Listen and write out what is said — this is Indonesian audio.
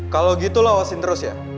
kalo gitu lo wasin terus ya